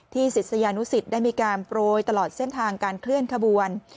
ศิษยานุสิตได้มีการโปรยตลอดเส้นทางการเคลื่อนขบวน